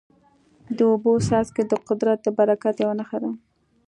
د اوبو څاڅکي د قدرت د برکت یوه نښه ده.